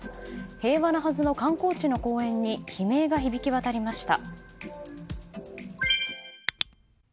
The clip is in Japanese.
平和なはずの観光地の公園に悲鳴が響き渡りました。